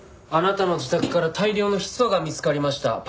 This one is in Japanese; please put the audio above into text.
あなたの自宅から大量のヒ素が見つかりました。